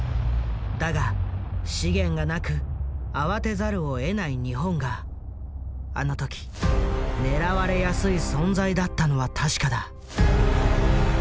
だが資源がなく慌てざるをえない日本があの時狙われやすい存在だったのは確かだ。